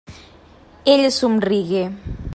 Ella somrigué.